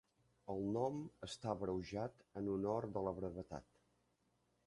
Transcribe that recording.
El nom està abreujat en honor de la brevetat.